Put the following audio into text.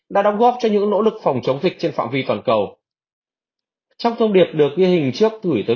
đã đóng góp cho những nỗ lực phòng chống dịch trên phạm vi toàn cầu